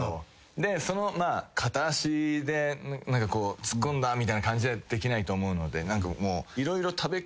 でそのまあ片足で突っ込んだみたいな感じではできないと思うので色々。